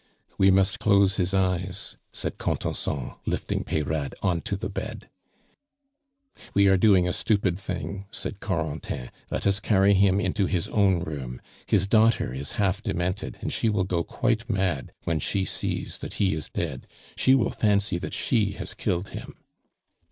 "We must close his eyes," said Contenson, lifting Peyrade on to the bed. "We are doing a stupid thing," said Corentin. "Let us carry him into his own room. His daughter is half demented, and she will go quite mad when she sees that he is dead; she will fancy that she has killed him."